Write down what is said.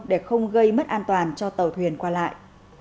để không gây mất an toàn cho tàu thuyền qua lại